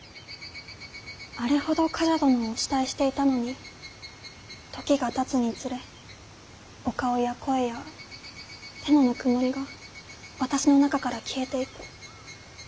あれほど冠者殿をお慕いしていたのに時がたつにつれお顔や声や手のぬくもりが私の中から消えていく。